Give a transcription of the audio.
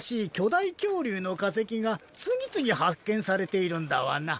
だいきょうりゅうのかせきがつぎつぎはっけんされているんダワナ。